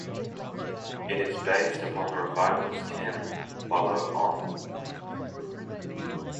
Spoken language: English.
It is based upon the revivalist hymn "Follow On".